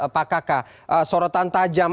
pak kk sorotan tajam